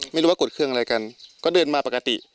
ไม่รู้ว่ากดเครื่องอะไรกันก็เดินมาปกติ